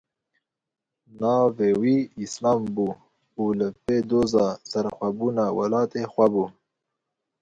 Navê wî Îslam bû û li pê doza serxwebûna welatê xwe bû.